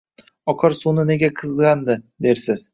Oqar suvni nega qizg`andi, dersiz